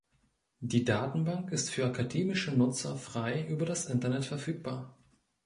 Die Datenbank ist für akademische Nutzer frei über das Internet verfügbar.